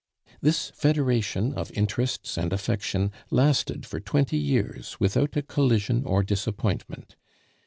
This federation of interests and affection lasted for twenty years without a collision or disappointment.